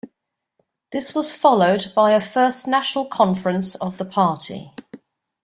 This was followed by a First National Conference of the party.